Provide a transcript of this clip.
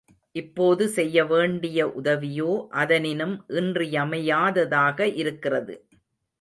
இப்போது செய்ய வேண்டிய உதவியோ அதனினும் இன்றியமையாததாக இருக்கிறது.